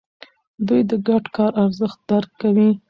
دوی د ګډ کار ارزښت درک کوي.